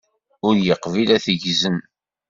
Ur yeqbil ad t-ggzen.